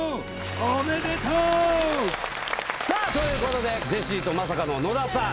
おめでとう！さあということでジェシーとまさかの野田さん